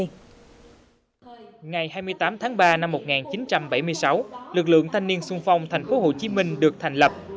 ngày hai mươi tám tháng ba năm một nghìn chín trăm bảy mươi sáu lực lượng thanh niên xuân phong tp hcm được thành lập